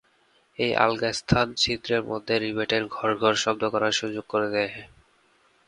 এই আলগা স্থান ছিদ্রের মধ্যে রিভেটের ঘর্ঘর শব্দ করার সুযোগ করে দেয়।